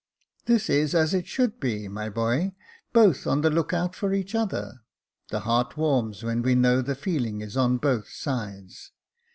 " This is as it should be, my boy, both on the look out for each other. The heart warms when we know the feeling is on both sides.